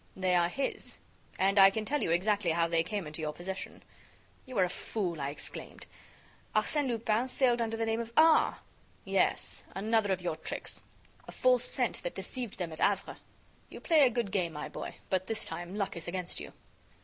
"They are his; and I can tell you exactly how they came into your possession." "You are a fool!" I exclaimed. "Arsène Lupin sailed under the name of R " "Yes, another of your tricks; a false scent that deceived them at Havre. You play a good game, my boy, but this time luck is against you."